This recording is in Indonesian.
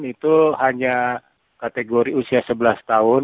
itu hanya kategori usia sebelas tahun